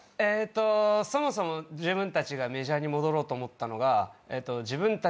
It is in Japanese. そもそも自分たちがメジャーに戻ろうと思ったのが。